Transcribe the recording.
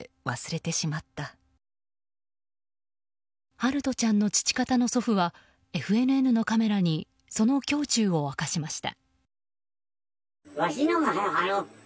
陽翔ちゃんの父方の祖父はＦＮＮのカメラにその胸中を明かしました。